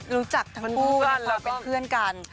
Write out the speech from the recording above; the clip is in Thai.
ก็รู้จักทั้งคู่กันและเป็นเพื่อนกัน